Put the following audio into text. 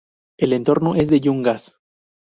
El entorno es de yungas.